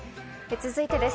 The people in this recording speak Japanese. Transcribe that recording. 続いてです。